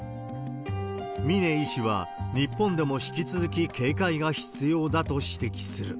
峰医師は、日本でも引き続き警戒が必要だと指摘する。